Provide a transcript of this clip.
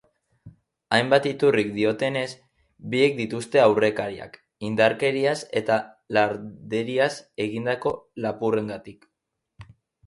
Hainbat iturrik diotenez, biek dituzte aurrekariak, indarkeriaz eta larderiaz egindako lapurrengatik.